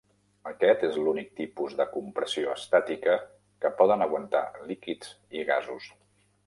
Aquest es l'únic tipus de compressió estàtica que poden aguantar líquids i gasos.